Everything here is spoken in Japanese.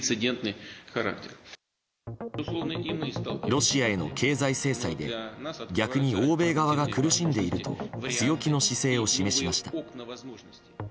ロシアへの経済制裁で逆に欧米側が苦しんでいると強気の姿勢を示しました。